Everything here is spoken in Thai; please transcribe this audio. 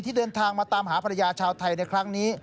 เดินทางมาตามหาภรรยาชาวไทยในครั้งนี้